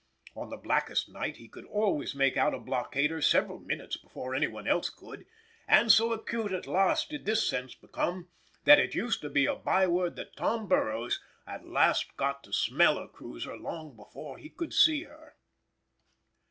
On the blackest night he could always make out a blockader several minutes before any one else; and so acute at last did this sense become, that it used to be a byword that Tom Burroughs at last got to smell a cruiser long before he could see her.